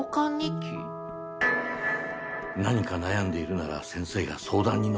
何か悩んでいるなら先生が相談にのるから。